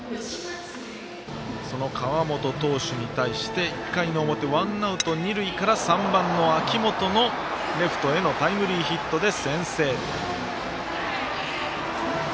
川本投手に対して１回の表、ワンアウト、二塁から３番の秋元へのレフトへのタイムリーヒットで先制。